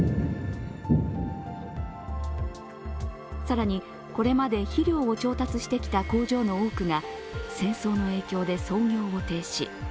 更に、これまで肥料を調達してきた工場の多くが戦争の影響で操業を停止。